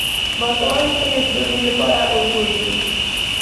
باسواده ښځې د ټولنې لپاره الګو دي.